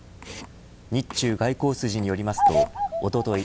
日中外交筋によりますとおととい